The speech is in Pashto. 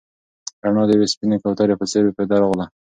رڼا د یوې سپینې کوترې په څېر په ده راغله.